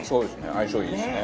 相性いいですね。